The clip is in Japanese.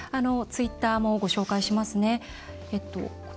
ツイッターもご紹介します。